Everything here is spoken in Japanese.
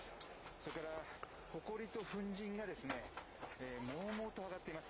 それから、ほこりと粉じんが、もうもうと上がってます。